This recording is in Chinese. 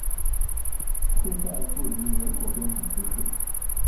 库赛树林人口变化图示